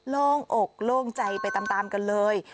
โล่งอกโล่งใจไปตามกันเลย